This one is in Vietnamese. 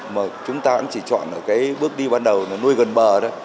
mà chúng ta cũng chỉ chọn ở cái bước đi ban đầu là nuôi gần bờ đó